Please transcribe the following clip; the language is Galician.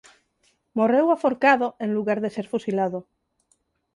Morreu aforcado en lugar de ser fusilado.